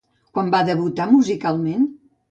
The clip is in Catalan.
Quan va debutar musicalment?